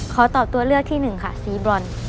ขอตอบตัวเลือกที่หนึ่งค่ะสีบรอน